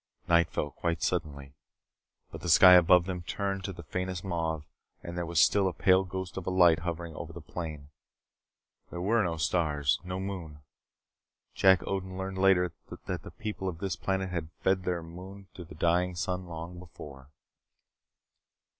Night fell quite suddenly. But the sky above them turned to the faintest mauve, and there was still a pale ghost of a light hovering over the plain. There were no stars. No moon. Jack Odin learned later that the people of this planet had fed their moon to the dying sun long before.